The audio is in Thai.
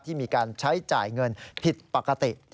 มีการใช้จ่ายเงินผิดปกติ